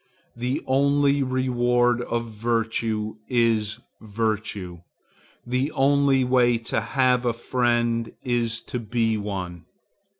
The only reward of virtue is virtue; the only way to have a friend is to be one.